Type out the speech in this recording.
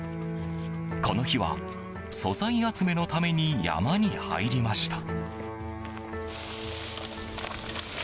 この日は素材集めのために山に入りました。